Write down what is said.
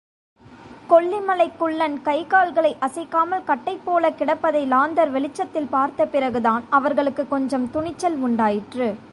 கொல்லிமலைக் குள்ளன் கைகால்களை அசைக்காமல் கட்டைபோலக் கிடப்பதை லாந்தர் வெளிச்சத்தில் பார்த்தபிறகுதான் அவர்களுக்குக் கொஞ்சம் துணிச்சல் உண்டாயிற்று.